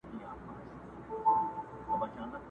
تر ابده له دې ښاره سو بېزاره،